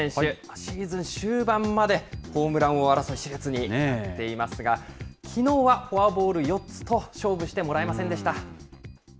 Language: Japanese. シーズン終盤までホームラン王争い、しれつになっていますが、きのうはフォアボール４つと、勝負してもらえませんでした。